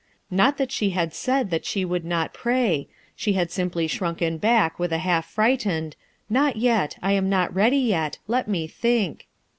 Not that she had said that she would not pray, she had simply shrunken back with a half frightened "Not yet, I am not ready yet; let me think."